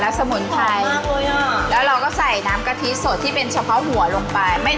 สมุนไพรมากเลยแล้วเราก็ใส่น้ำกะทิสดที่เป็นเฉพาะหัวลงไป